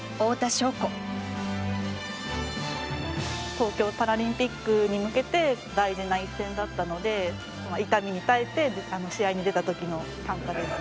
東京パラリンピックに向けて大事な一戦だったので痛みに耐えて試合に出た時の短歌です。